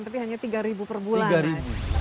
tapi hanya tiga ribu per bulan